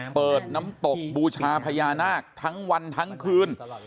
เปิดน้ำตกบูชาพญานาคทั้งวันทั้งคืน